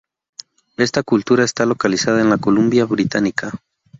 Esta escultura está localizada en la Columbia Británica.